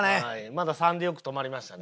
まだ３でよく止まりましたね。